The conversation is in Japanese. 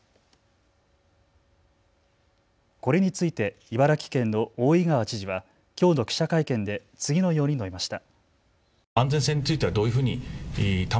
これについて茨城県の大井川知事はきょうの記者会見で次のように述べました。